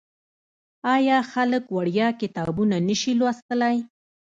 آیا خلک وړیا کتابونه نشي لوستلی؟